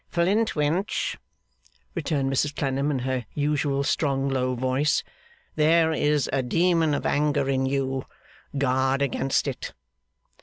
'Flintwinch,' returned Mrs Clennam, in her usual strong low voice, 'there is a demon of anger in you. Guard against it.